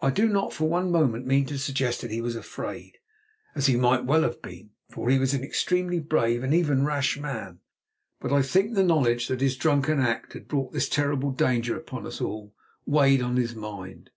I do not for one moment mean to suggest that he was afraid, as he might well have been, for he was an extremely brave and even rash man; but I think the knowledge that his drunken act had brought this terrible danger upon us all weighed on his mind.